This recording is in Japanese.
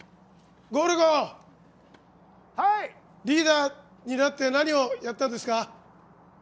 ゴルゴ君リーダーになって何をやったんですか？